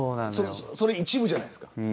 それは一部じゃないですか。